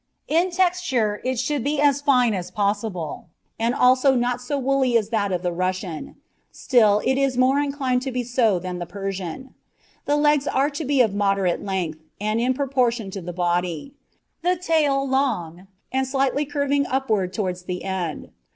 In texture it should be as fine as possible, and also not so woolly as that of the Russian; still it is more inclined to be so than the Persian. The legs to be of moderate length, and in proportion to the body; the tail long, and slightly curving upward towards the end.